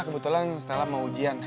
kebetulan setelah mau ujian